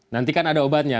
nanti kan ada obatnya